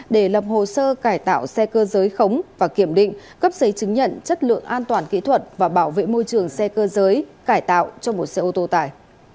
để lập hồ sơ cải tạo xe cơ giới khống và kiểm định cấp giấy chứng nhận chất lượng an toàn kỹ thuật và bảo vệ môi trường xe cơ giới cải tạo cho một xe ô tô tải